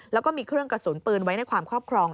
แล้วก็มีเครื่องกระสุนปืนไว้ในความครอบครอง